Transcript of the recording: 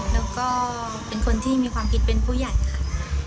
แล้วก็เป็นคนที่มีความคิดเป็นผู้ใหญ่ค่ะ